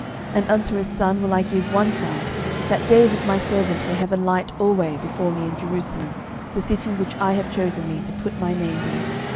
11:011:036 And unto his son will I give one tribe, that David my servant may have a light alway before me in Jerusalem, the city which I have chosen me to put my name there.